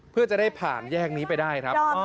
เพื่อจะได้ผ่านแยกนี้ไปได้ครับ